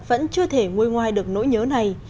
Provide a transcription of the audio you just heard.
vẫn chưa thể ngôi ngoài được nỗi nhớ này